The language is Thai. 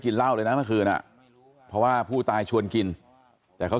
เหล้าเลยนะเมื่อคืนอ่ะเพราะว่าผู้ตายชวนกินแต่เขา